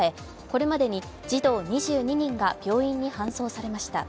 これまでに児童２２人が病院に搬送されました。